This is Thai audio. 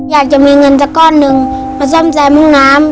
อยากจะมีเงินสักก้อนหนึ่งมาซ่อมแซมห้องน้ำ